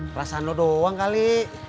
perasaan lu doang kali